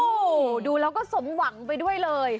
โอ้โหดูแล้วก็สมหวังไปด้วยเลย